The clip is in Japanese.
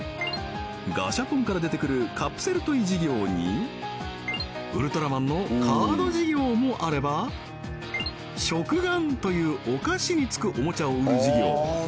ガシャポンから出てくるカプセルトイ事業にウルトラマンのカード事業もあれば食玩というお菓子につくおもちゃを売る事業